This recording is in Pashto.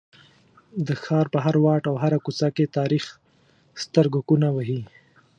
د ښار په هر واټ او هره کوڅه کې تاریخ سترګکونه وهي.